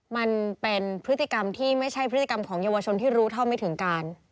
มันเป็นพฤติกรรมที่ไม่ใช่พฤติกรรมของเยาวชนที่รู้เท่าไม่ถึงการ